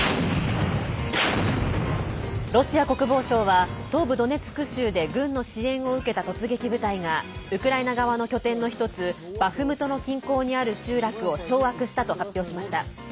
ロシア国防省は東部ドネツク州で軍の支援を受けた突撃部隊がウクライナ側の拠点の１つバフムトの近郊にある集落を掌握したと発表しました。